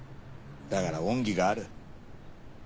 だから恩義がある。